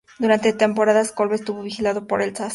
Durante temporadas Kolbe estuvo vigilado por la Stasi.